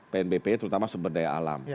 pnbp terutama sumber daya alam